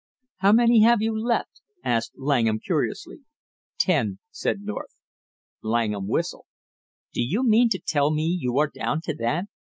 "How many have you left?" asked Langham curiously. "Ten," said North. Langham whistled. "Do you mean to tell me you are down to that?